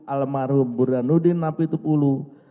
almarhum burhanuddin namitpulu